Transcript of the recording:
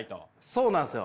そうなんですよ。